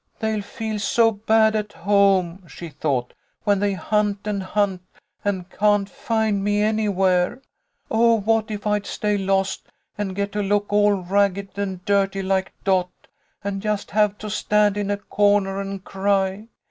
" They'll feel so bad at home," she thought, "when they hunt and hunt and can't find me any where. Oh, what if I'd stay lost, and get to look all ragged and dirty like Dot, and just have to stand in a corner and cry.